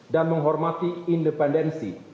dan menghormati independensi